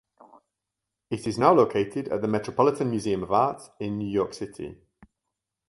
It is now located at the Metropolitan Museum of Art in New York City.